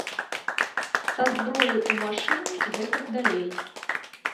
Са зброяй у машыне і гэтак далей.